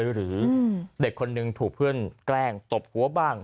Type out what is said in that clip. หรือเด็กคนนึงถูกเพื่อนแกล้งตบหัวบ้าง